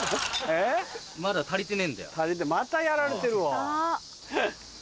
またやられてるわ。